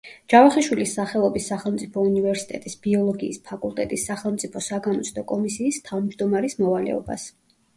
ჯავახიშვილის სახელობის სახელმწიფო უნივერსიტეტის ბიოლოგიის ფაკულტეტის სახელმწიფო საგამოცდო კომისიის თავმჯდომარის მოვალეობას.